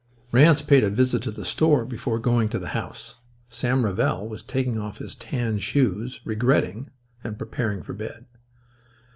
Ranse paid a visit to the store before going to the house. Sam Rivell was taking off his tan shoes regretting and preparing for bed.